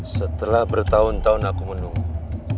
setelah bertahun tahun aku menunggu